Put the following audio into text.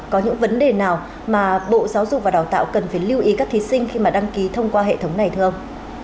có những vấn đề nào mà bộ giáo dục và đào tạo cần phải lưu ý các thí sinh khi mà đăng ký thông qua hệ thống này thưa ông